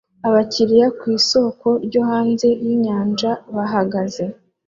Abakiriya ku isoko ryo hanze yinyanja bahagaze